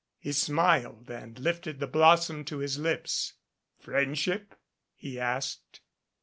He smiled and lifted the blossom to his lips. "Friendship?" he asked.